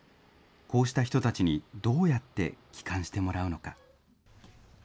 こうした人たちにどうやって帰還してもらうのか。